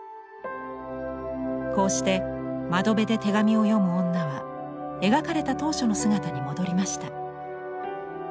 こうして「窓辺で手紙を読む女」は描かれた当初の姿に戻りました。